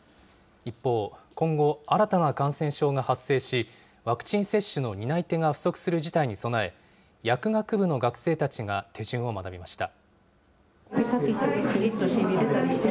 一方、今後、新たな感染症が発生し、ワクチン接種の担い手が不足する事態に備え、薬学部の学生たちが手順を学びました。